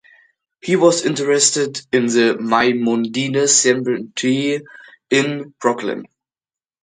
He was interred in the Maimonides Cemetery in Brooklyn.